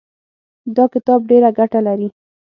دا کتاب ډېره ګټه لري.